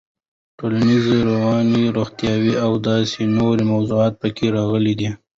ټولنيز, رواني, روغتيايي او داسې نورو موضوعات پکې راغلي دي.